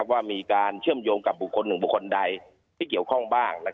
ว่ามีการเชื่อมโยงกับบุคคลหนึ่งบุคคลใดที่เกี่ยวข้องบ้าง